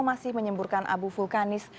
masih menyemburkan abu vulkanis